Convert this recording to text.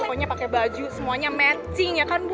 pokoknya pakai baju semuanya matching ya kan bu